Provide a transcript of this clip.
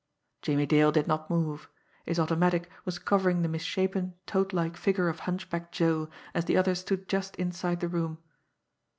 Jimmie Dale did not move his automatic was covering the misshapen, toad like figure of Hunchback Joe, as the other stood just inside the room.